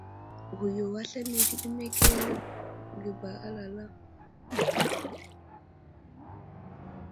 Ghwiyo aslane təɗemmakerge ba alala.